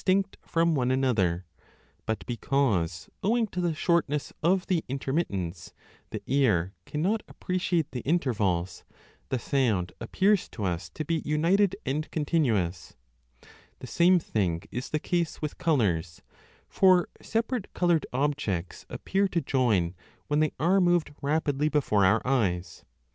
Now the impacts upon the air 35 from strings are many and arc distinct from one another, but because, owing to the shortness of the intermittence, the ear cannot appreciate the intervals, the sound appears to us to be united and continuous. The same thing is the case with colours ; for separate coloured objects appear 40 to join, when they are moved rapidly before our eyes.